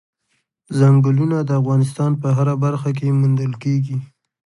ځنګلونه د افغانستان په هره برخه کې موندل کېږي.